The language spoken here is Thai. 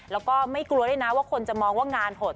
แล้วก็ไม่กลัวด้วยนะว่าคนจะมองว่างานโหด